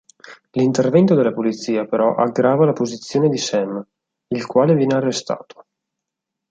L'intervento della polizia però aggrava la posizione di Sam, il quale viene arrestato.